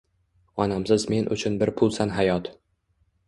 Onamsiz men uchun bir pulsan hayot!